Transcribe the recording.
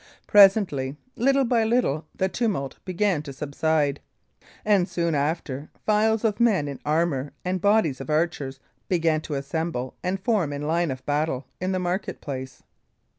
Presently, little by little, the tumult began to subside; and soon after, files of men in armour and bodies of archers began to assemble and form in line of battle in the market place.